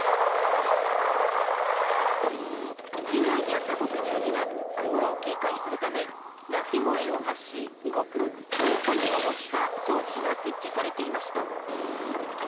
被害に遭った牧場には、クマを警戒するため、鳴き声を発し動くオオカミを模した装置が設置されていました。